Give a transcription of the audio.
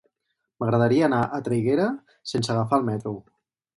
M'agradaria anar a Traiguera sense agafar el metro.